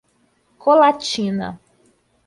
Colatina